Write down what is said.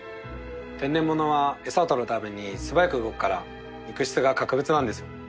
天然物は餌を取るために素早く動くから肉質が格別なんです。